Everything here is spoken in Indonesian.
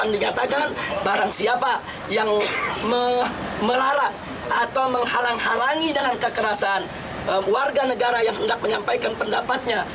dikatakan barang siapa yang melarang atau menghalang halangi dengan kekerasan warga negara yang hendak menyampaikan pendapatnya